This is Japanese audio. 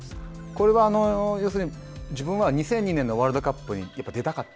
これは要するに、自分は２００２年のワールドカップに出たかった。